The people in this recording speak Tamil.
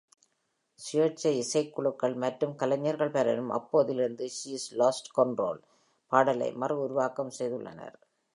சுயேச்சை இசைக் குழுக்கள் மற்றும் கலைஞர்கள் பலரும் அப்போதில் இருந்து "She's Lost Control" பாடலை மறு உருவாக்கம் செய்துள்ளனர்.